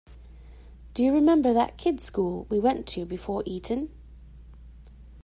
Do you remember that kids' school we went to before Eton?